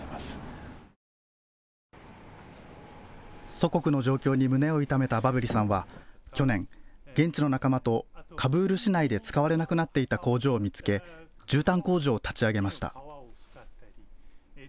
祖国の状況に胸を痛めたバブリさんは去年、現地の仲間とカブール市内で使われなくなっていた工場を見つけじゅうたん工場を立ち上げました。